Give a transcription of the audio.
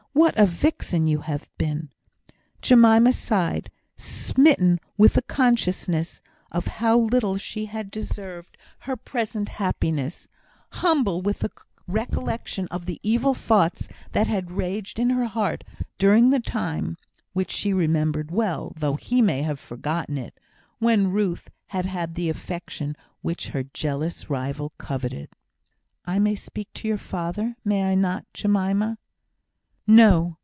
What a vixen you have been!" Jemima sighed; smitten with the consciousness of how little she had deserved her present happiness; humble with the recollection of the evil thoughts that had raged in her heart during the time (which she remembered well, though he might have forgotten it) when Ruth had had the affection which her jealous rival coveted. "I may speak to your father, may not I, Jemima?" No!